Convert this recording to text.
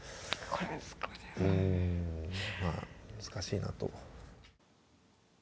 まあ、難しいなと。